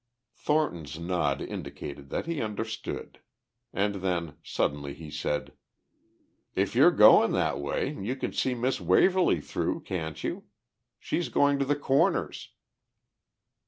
Thornton's nod indicated that he understood. And then, suddenly, he said, "If you're going that way you can see Miss Waverly through, can't you? She's going to the Corners."